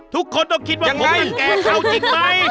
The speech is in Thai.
ทุกคนต้องคิดว่าง่ายแก่เข้าจริงไหม